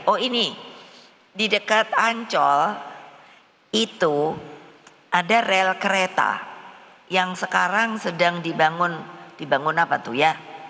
oh ini di dekat ancol itu ada rel kereta yang sekarang sedang dibangun apa tuh ya